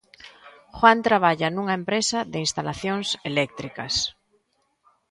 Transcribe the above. Juan traballa nunha empresa de instalacións eléctricas.